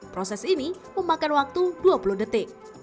proses ini memakan waktu dua puluh detik